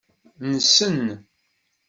Nnsen.